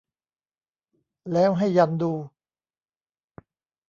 แล้วให้ยันดู